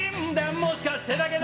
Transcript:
もしかしてだけど、